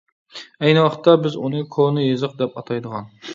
ئەينى ۋاقىتتا بىز ئۇنى كونا يېزىق دەپ ئاتايدىغان.